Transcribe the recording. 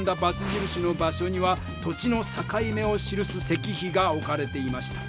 じるしの場所には土地のさかい目を記す石碑がおかれていました。